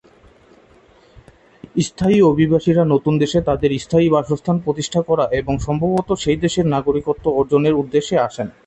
স্থায়ী অভিবাসীরা নতুন দেশে তাদের স্থায়ী বাসস্থান প্রতিষ্ঠা করা এবং সম্ভবত সেই দেশের নাগরিকত্ব অর্জনের উদ্দেশ্যে আসেন।